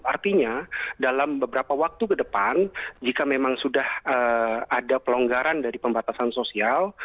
artinya dalam beberapa waktu ke depan jika memang sudah ada pelonggaran dari pembatasan sosial